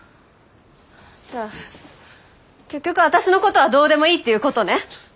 じゃあ結局私のことはどうでもいいっていうことね？